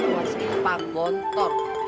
wah siapa gontor